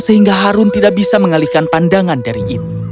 sehingga harun tidak bisa mengalihkan pandangan dari itu